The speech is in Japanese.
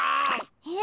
えっ？